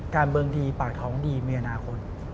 การเมืองดีปากท้องดีมีอนาคต